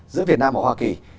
giữa việt nam và hoa kỳ